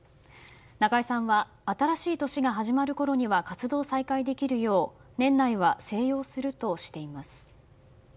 中居さんは新しい年が始まるころには活動再開できるよう年内は静養するとしています。